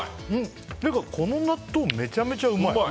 この納豆めちゃめちゃうまい！